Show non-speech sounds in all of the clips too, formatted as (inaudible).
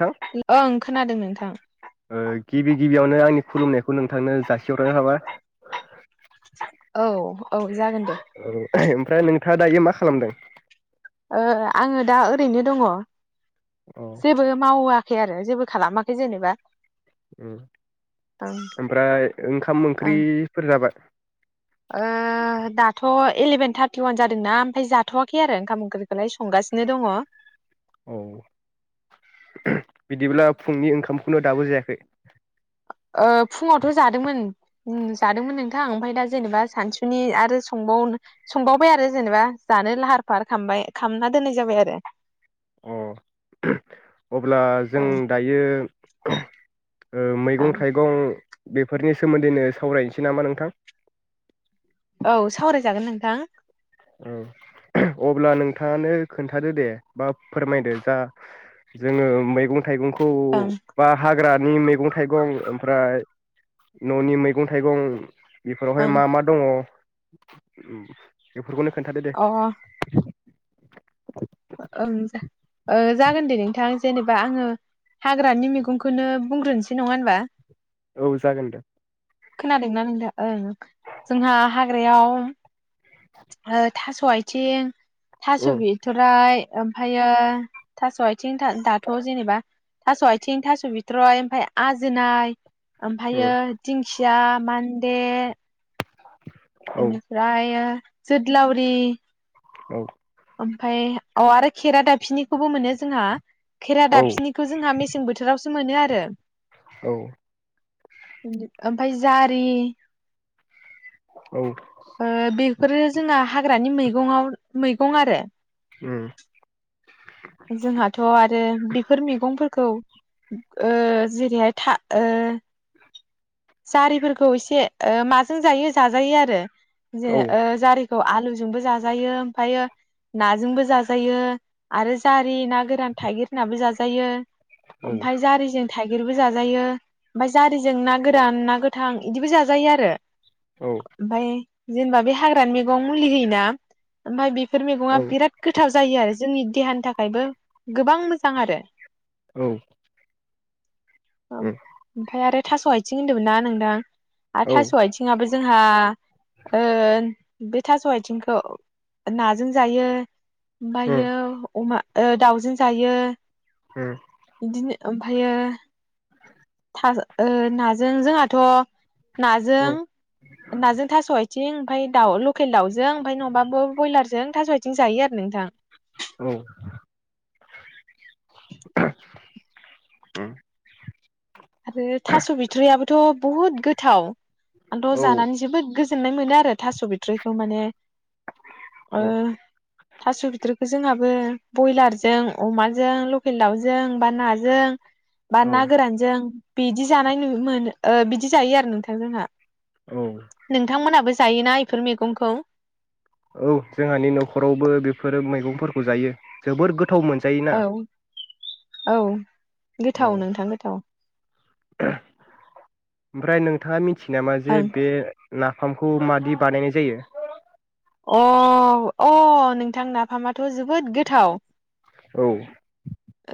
नोंथां ओं खोनादों नोंथां। ओ गिबि गिबियावनो आंनि खुलुमनायखौ नोंथांनो जासिहरनाय थाबाय। औ औ जागोन दे। था दायो मा खालामदों? ओ आङो दा ओरैनो दङ। अ जेबो मावा खै आरो जेबो खालामाखै जेनेबा ओं ओमफ्राय ओंखाम ओं ओंख्रिफोर जाबाय? ओ दाथ' इलेभेन थारटि अवान जादोंना ओमफ्राय जाथ'वाखै आरो ओंखाम ओंख्रिखौलाय संगासिनो दङ। औ बिदिब्ला फुंनि ओंखामखौनो दाबो जायाखै? ओ फुङावथ' जादोंमोन जादोंमोन नोंथां ओमफ्राय दा जेनेबा सानसुनि आरो संबावनो संबावबाय आरो जेनेबा जानो लाहार फाहार खालामबाय खामना दोननाय जाबाय आरो। अ अब्ला जों ओं दायो ओ मैगं ओं थाइगं बेफोरनि सोमोन्दैनो सावरायनोसै नामा नोंथां? औ सावरायजागोन नोंथां। औ अब्ला नोंथाङानो खोन्थादो दे बा फोरमायदो जा जोङो मैगं थाइगंखौ ओं ग्रानि मैगं थाइगं ओमफ्राय न'नि मैगं थाइगं बेफोरावहाय ओं मा मा दङ? उम बेफोरखौनो खोन्थादो दे। अ ओं ओ जागोन दे नोंथां जेनेबा आङो हाग्रानि मैगंखौनो बुंग्रोनोसै नङा होनबा? औ जागोन दे। खोनादोंना नोंथां ओं ओं जोंहा हाग्रायाव ओ थास' आइथिं थास' उम बिथ'राइ ओमफायो थास'आइथिं था दाथ'जेनेबा थास' आइथिं थास' बिथ्रय ओमफाय आजोनाय। ओमफायो उम दिं खिया मान्दे औ एनिफ्रायो जोदलाउरि औ ओमफाय औ आरो खेरा दाफिनिखौबो मोनो जोंहा। खेरा दाबफिनिखौ जोंहा मेसें बोथोराव खो मोनो आरो। औ ओमफाय जारि औ फोरो जोंना हाग्रानि मैगंआव मै गं आरो। उम जोंहाथ' आरो बिफोर मिगंफोरखौ ओ जेरैहाय था ओ जारिफोरखौ एसे ओ माजों जायो जाजायो आरो। जे औ ओ जारि खौ आलुजोंबो जाजायो ओमफायो नाजोंबो जाजायो। आरो जारि ना गोरान थाइगिर होनाबो जाजायो। ओमफाय जारिजों थाइगिरबो जाजायो ओमफाय जारिजों ना गोरान ना गोथां इदिबो जाजायो आरो। औ ओमफाय जेनेबा बे हाग्रानि मेगं मुलि होयिना ओमफ्राय बि फोर मेगंआ बिराद गोथाव जायो आरो जोंनि देहानि थाखा खायबो गोबां मोजां आरो। औ औ ओमफाय आरो थास' आइथिं होनदोंमोन ना नोंथां? आरो औ थास' आइथिंआबो जोंहा ओ बे थास' आयथिंखौ नाजों जायो। उम मबायो अमा। ओ दाउजों जायो। होम। बिदिनो ओमफायो था ओ नाजों जोंहाथ' नाजों उम नाजों थास' आयथ आथिं ओमफाय दाउ लकेल दाावजों ओमफाय नङाबो ब-बयलारजों थास' आथिं जायो आरो नोंथां। औ। उम। आरो थास' बिथ'रियाबोथ' बुहुद गोथाव आंथ' जानानै जोबोद गोज गोजोननाय मोनो आरो थास' बिथ्रिखौ माने ओ थास' बिथ'रिखौ जोंहाबो बयलारजों अमाजों लकेल दाउजों बा नाजों बा औ ना गोरानजों बिदि जानाय नु मोनो ओ बिदि जायो आरो नोंथां जोंहा। औ नोंथांमोनाबो जायोना एफोर मैगंखौ? औ जोंहानि न'खरावबो बेफोर मैगंफोरखौ जायो जोबोद गो औ औ औ गोथाव नोंथां गोथाव। ओमफ्राय नोंथाङा मिथि थि नामा जे बे नाफामखौ मादि बानायनाय जायो? अ अ नोंथां नाफामाथ' जोबोद गोथाव। औ।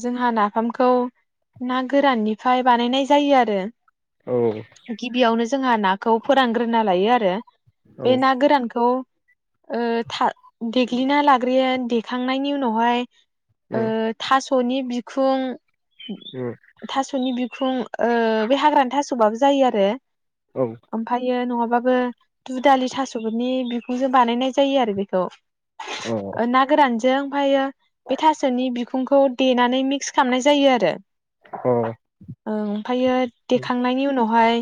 जोंहा नाफामखौ ना गोराननिफ्राय बानायनाय जायो आरो। औ गिबियावनो जोंहा ना खौ फोरानग्रोना लायो आरो। औ बे ना गोरानखौ ओ था देग्लिना लाग्रोयो देखांनायनि उनावहाय ओ। थास'नि बिखुं उम थास'नि बि खुं ओ बे हाग्रानि थास'बाबो जायो आरो। औ ओमफायो नङाब माबाबो दुदालि थास'फोरनि बिखुंजों बानायनाय जायो आरो बेखौ। अ ओ ना गोरानजों ओमफायो बे थास'नि खुंखौ देनानै मिक्स खालामनाय जायो आरो अ ओमफायो उम देखांनायनि उनावहाय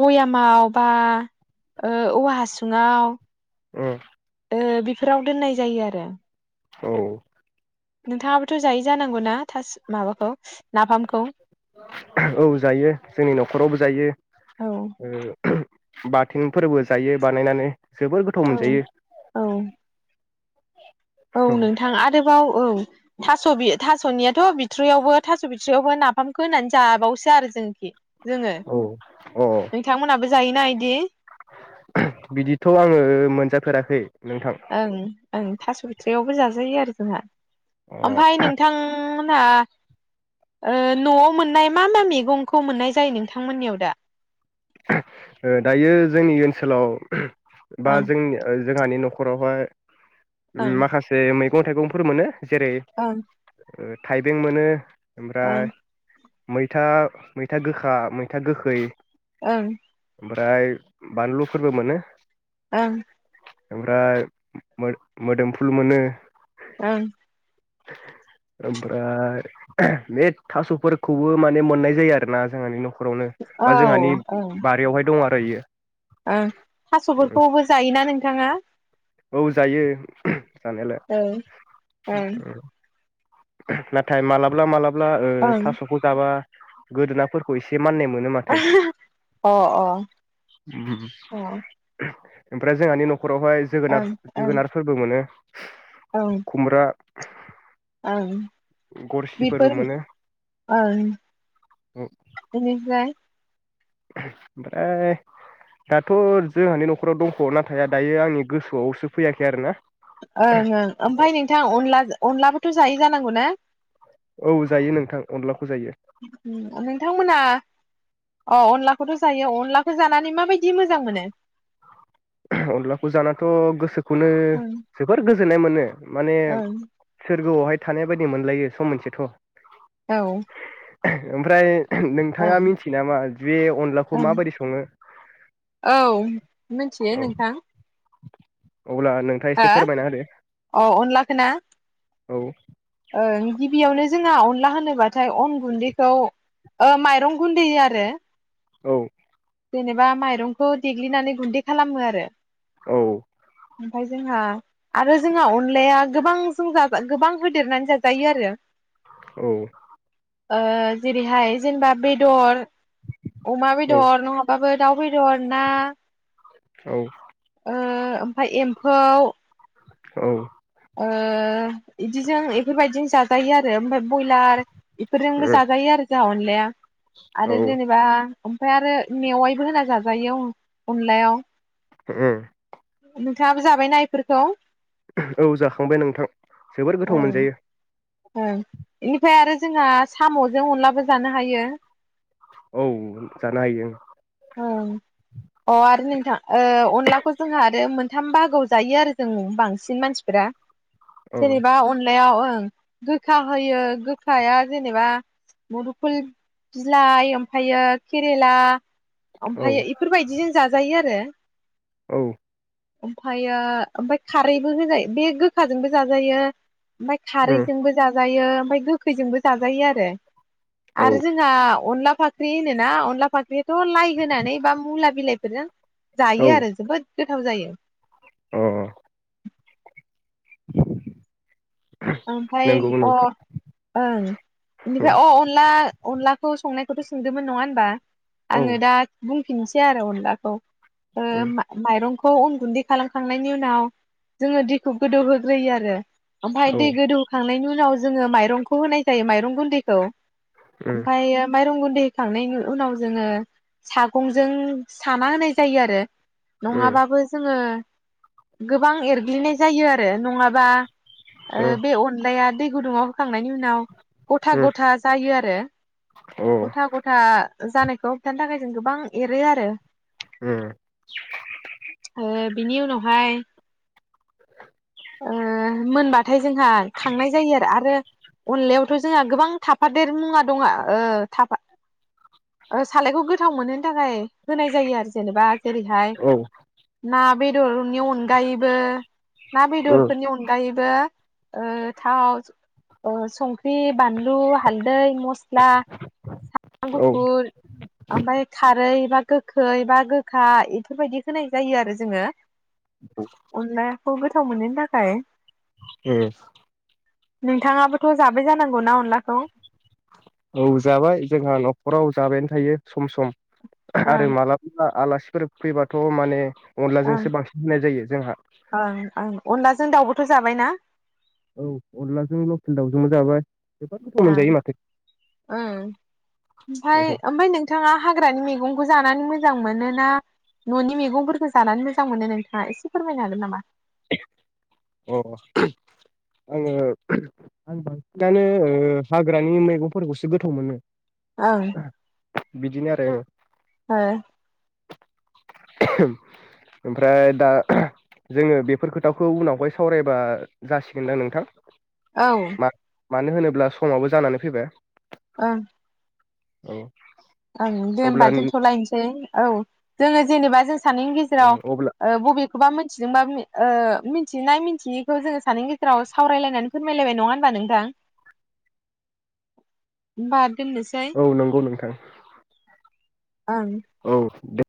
बया माव बा ओ औवा हासुङाव उम। ओ बेफोराव दोननाय जायो आरो। औ। नोंथाङाबोथ' जायो जानांगौना थास' माबाखौ नाफामखौ औ जायो जोंनि न'खरावबो जायो। औ ओ बाथोनफोरबो जायो बानायनानै जोबोर गोथाव औ मोनजायो। (inaudible) औ औ नोंथां आरोबाव औ थास' बि थास'नियाथ' बिथ्रियावबो थास' बिथ्रियावबो नाफामखौ होनानै जाबावसो आरो जोंखि जोङो। औ औ अ नोंथांमोनाबो जायोना इदि? बिदिथ' आङो मोनजाफेराखै नोंथां ओं ओं। थास' बिथ्रायावबो जाजायो आरो जोंहा। अ ओमफाय नोंथांमो ना ओ न'आव मोननाय मा मा मेगंखौ मोननाय जायो नोंथांमोननियाव दा? ओ दायो जोंनि ओन्सोलाव बा ओं जोंनि ओ जोंहानि न'खरावहाय ओं माखासे मै गं थाइगंफोर मोनो। जेरै ओं ओ थाइबें मोनो ओं ओमफ्राय मैथा मैथा गोखा, मैथा गोखै, ओं। ओमफ्राय बानलुफोरबो मोनो ओं। ओमफ्राय मो-मोदोमफुल मोनो ओं। ओमफ्राय बे थास'फोरखौबो माने मोननाय जायो आरोना जोंहानि न' खरावनो औ बा जोंहानि ओं बारियावहाय दं आ खायो ओं थासफोरखौबो जायोना नोंथाङा? औ जायो। जानायालाय। ओं ओं नाथाय मालाबा मालाबा। मालाबा ओं थासखौ जाबा। गोदोनाफोरखौ एसे। माननाय मोनो माथो। अ अ ओं ओमफ्राय जोंहानि नखरावहाय। जोगोनार ओं ओं जोगोनारफोरबो मोनो। ओं खुमब्रा। ओं। गरसिफोरबो बेफोर मोनो ओ बिनिफ्राय। ओमफ्राय दाथ जोंहानि नखराव दंखायो नाथाय दायो आंनि गोसोआवसो फैयाखै आरोना। ओं ओं ओमफ्राय नोंथां अनला अनलाबो। -थ जायो जानांगौ ना। औ जायो नोंथां अनलाखौ जायो। नोंथांमोना अ अनलाखौथ जायो अनलाखौ जानानै माबायदि मोजां मोनो? अनलाखौ जानाथ गोसोखौ। गोसोखौनो ओं जोबोर गोजोननाय। गोजोननाय मोनो। माने ओं सोरगोआवहाय। थानाय बायदि मोनलायो सम मोनसेथ। औ। ओमफ्राय। नोंथाङा ओं मिथियो नामा बे अनलाखौ ओं माबायदि सङो? औ मिथियो औ नोंथां। अब्ला नोंथाङा एसे फोरमायना होदो हो अ अनला खोना। औ। गिबियावनो जोंहा अनला होनोब्लाथाय अन गुन्दैखौ माइरं गुन्दै आरो। औ। जेनेबा माइरंखौ देग्लिनानै गुन्दै खालामो आरो। औ। ओमफ्राय जोंहा, आरो जोंहा अनलाया गोबां जों गोबां होदेरनानै जाजायो आरो। औ। जेरैहाय जेनेबा बेदर। अमा औ बेदर नङाबाबो। दाउ बेदर, ना औ ओ ओमफ्राय एम्फौ, औ ओ इदिजों इफोरबायदिनो जाजायो आरो ओमफ्राय बयलार बेफोरजोंबो जाजायो आरो जाहा अनलाया। आरो औ जेनिबा ओमफ्राय आरो मेवाइबो होना जाजायो अनलायाव। उम नोंथाङाबो जाबायना इफोरखौ? औ जाखांबाय नोंथां। जोबोर गोथाव ओं मोनजायो। ओं एनिफ्राय आरो जोंहा साम'जों अनलाबो जानो हायो। औ जानो हायो। ओं अ आरो नोंथां ओ अनलाखौ जोंहा आरो मोनथाम बागोआव जायो आरो जों बांसिन मानसिफोरा। औ जेनेबा अनलायाव ओं गोखा होयो गोखाया जेनेबा मदुफुल बिलाइ, ओमफ्रायो केरेला, औ ओमफ्राय इफोरबायदिजों जाजायो आरो। (unintelligible) औ ओमफ्रायो ओमफ्राय खारैबो होजायो बे गोखाजोंबो जाजायो। ओमफ्राय खारै बो जायो ओमफ्राय गोखैजोंबो जायो आरो। आरो जोंहा अनला फाख्रि होनो ना अनला फाख्रियाथ' लाइ होनानै बा मुला बिलाइफोरजों औ जायो आरो जोबोद गोथाव जायो। अ अ (unintelligible) ओमफाय नंगौ अ नोंथां ओं इनिफाय अ अनला अनलाखौ संनायखौथ' सोंदोंमोन नङा होनबा? औ आङोदा बुं फिननोसै आरो अनलाखौ ओ मा माइरं खौ उन गुन्दै खालामखांनायनि उनाव जोङो दैखौ गोदौहोग्रोयो आरो। ओमफाय दै गोदौखांनायनि उनाव जोङो माइरं खौ होनाय जायो माइरं गुन्दैखौ। ओमफ्राय माइरं गुन्दै। थांनायनि उनाव जोङो सागंजों। साना होनाय जायो आरो औ नङाबाबो जोङो। गोबां एरग्लिनाय जायो आरो नङाबा। ओ औ बे अनलायानो। दै गुदंयाव। होखांनायनि उनाव गथा गथा जायो आरो। (unintelligible) औ औ गथा-गथा जानायखौ होबथानो थाखाय जों गोबां एरो आरो। ओ बिनि उनावहाय। ओम मोनबा। थाय जोंहा खांनाय जायो आरो-आरो। अनलायावथ जोंहा गोबां थाफादेर मुवा दङ ओ थाफा सालायखौ गोथाव मोनहोनो थाखाय होनाय जायो आरो जेनेबा। जेरै हाय ना। बेदर नि अनगायैबो ना बेदरफोरनि अनगायैबो। ओ थाव ओ संख्रि बानलु हालदै मस्ला। स्ला साम्राम गुफुर ओमफ्राय खारै। बा गोखै बा गोखा बेफोरबायदि होनाय जायो आरो जोङो। उनला। औ गोथाव मोननि थाखाय। ए नोंथाङाबोथ जाबाय जानांगौना अनलाखौ। औ जाबाय जोंहा नखराव जाबायानो थायो सम -सम। ओं खारो माला बोला आलास फोर फैबाथ माने। ओं अनलाजोंसो बांसिन होनाय जायो जोंहा ओं ओं अनलाजों दाउ। जाबायना। औ अनलाजों लकेल दाउजोंबो जाबाय। जोबोद गोथाव ओं मोनजायो माथो ओं ओमफ्राय-ओमफ्राय नोंथाङा हाग्रानि मैगं। खौ जानानै मोजां मोनो ना ननि मैगंफोरखौ जानानै मोजां मोनो नोंथाङा एसे फोरमायनो हागोन नामा? (inaudible) अ आङो आं बांसिनानो ओ हाग्रानि मैगंफोरखौसो गोथाव मोनो ओं बिदिनो आरो ओं ओ (unintelligible) ओमफ्राय दा जोङो बेफोर खोथाखौ उनावहाय सावरायबा जासिगोनदां नोंथां औ मानो होनोब्ला समाबो जानानै फैबाय ओं औ ओं दे होमबा अब्ला दोनथ'लायनोसै औ जोङो जेनेबा जों सानैनि ओ गेजेराव अब्ला ओ बबे खौबा मिथिदोंबा मिथिनाय मिथियैखौ जोङो सानैनि गेजेराव सावरायलायनानै फोरमायलायबाय नङा होनबा नोंथां होनबा औ नंगौ नोंथां ओं औ दे